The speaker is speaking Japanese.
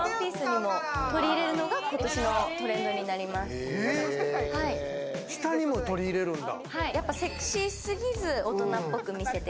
更に下にも取り入れるんだ。